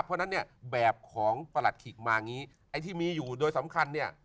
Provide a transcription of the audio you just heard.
เพราะฉะนั้นเนี่ยแบบของประหลัดขิกมาอย่างนี้ไอ้ที่มีอยู่โดยสำคัญเนี่ย